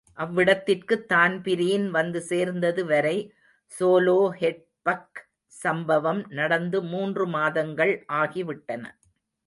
அவ்விடத்திற்குத் Dan Breen வந்து சேர்ந்தது வரை ஸோலோஹெட்பக் சம்பவம் நடந்து மூன்று மாதங்கள் ஆகிவிட்டன.